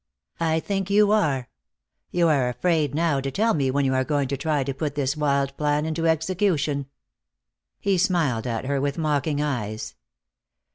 "I think you are. You are afraid now to tell me when you are going to try to put this wild plan into execution." He smiled at her with mocking eyes.